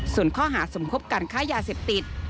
ส่วนข้อหาสมคบการค้ายาเสพติด